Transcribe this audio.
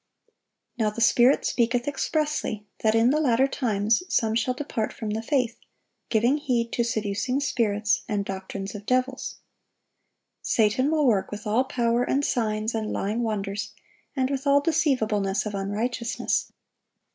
(745) "Now the Spirit speaketh expressly, that in the latter times some shall depart from the faith, giving heed to seducing spirits, and doctrines of devils."(746) Satan will work "with all power and signs and lying wonders, and with all deceivableness of unrighteousness."